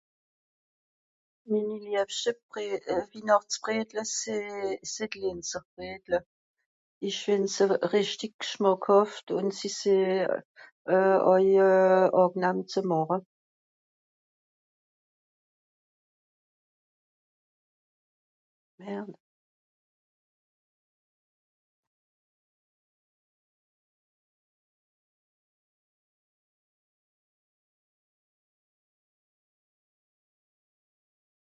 minni lebschte bred euh winàchtsbredle seh sìn d'lìnzerbredle ìsch fìnd'se rìchtig g'schmàckhàft ùn si sìn euh äuj àgenahm zu màche